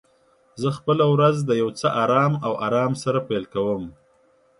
زه خپل ورځ د یو څه آرام او آرام سره پیل کوم.